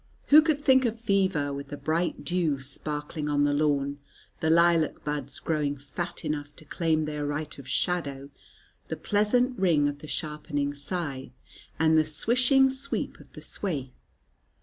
Who could think of fever with the bright dew sparkling on the lawn, the lilac buds growing fat enough to claim their right of shadow, the pleasant ring of the sharpening scythe, and the swishing sweep of the swathe?